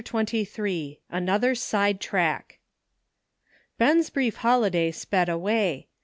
CHAPTER XXIII. ANOTHER "SIDE TRACK. BEN'S brief holiday sped away.